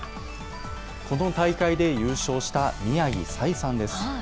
この大会で優勝した宮城采生さんです。